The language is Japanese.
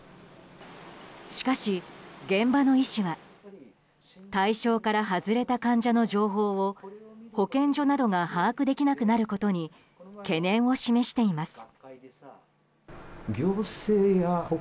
しかし、現場の医師は対象から外れた患者の情報を保健所などが把握できなくなることに懸念を示しています。